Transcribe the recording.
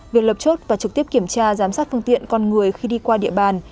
việc lập chốt và trực tiếp kiểm tra giám sát phương tiện con người khi đi qua địa bàn